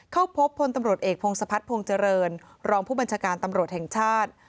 เข้าพบพลตำรวจเอกพงศพัฒนภงเจริญรองผู้บัญชาการตำรวจแห่งชาติ